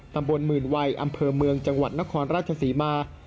ตำบลหมื่นวัยอำเภอเมืองจังหวัดนครราชศรีมา